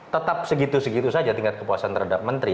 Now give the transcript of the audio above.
tetap segitu segitu saja tingkat kepuasan terhadap menteri